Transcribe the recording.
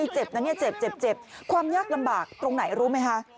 เจ็บนะความยากลำบากตรงไหนรู้ไหมค่ะ